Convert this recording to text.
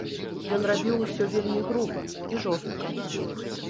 Ён рабіў усё вельмі груба і жорстка.